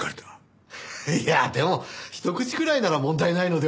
いやあでもひと口くらいなら問題ないのでは？